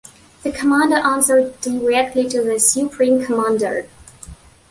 The commander answered directly to the Supreme Commander.